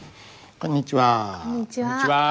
こんにちは。